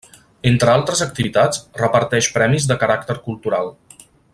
Entre altres activitats, reparteix premis de caràcter cultural.